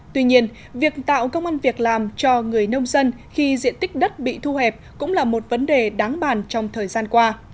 tuy nhiên việc tạo công an việc làm cho người nông dân khi diện tích đất bị thu hẹp cũng là một vấn đề đáng bàn trong thời gian qua